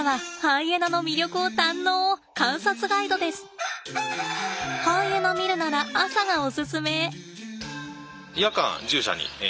ハイエナ見るなら朝がおすすめ！